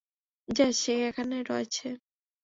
Jazz, সে এখানে রয়েছে।